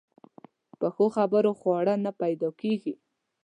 په ښو خبرو خواړه نه پیدا کېږي.